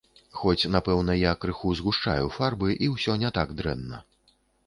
Хоць, напэўна, я крыху згушчаю фарбы, і ўсё не так дрэнна.